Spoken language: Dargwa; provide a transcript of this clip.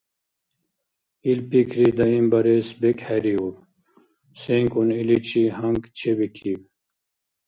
Ил пикри даимбарес бекӀхӀериуб, сенкӀун иличи гьанкӀ чебикиб.